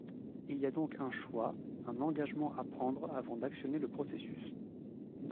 Il y a donc un choix, un engagement à prendre avant d'actionner le processus.